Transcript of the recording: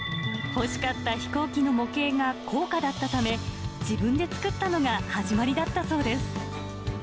欲しかった飛行機の模型が高価だったため、自分で作ったのが始まりだったそうです。